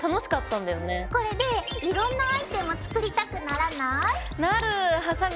これでいろんなアイテム作りたくならない？